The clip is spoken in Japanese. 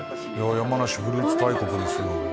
「山梨フルーツ大国ですよ」